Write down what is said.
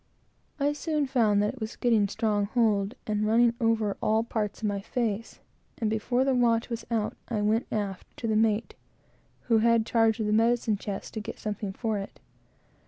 I soon found that it was getting strong hold, and running over all parts of my face; and before the watch was out I went aft to the mate, who had charge of the medicine chest, to get something for it.